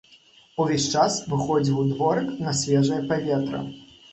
Увесь час выходзіў у дворык на свежае паветра.